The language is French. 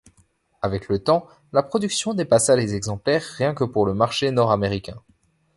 Avec le temps, la production dépassa les exemplaires rien que pour le marché nord-américain.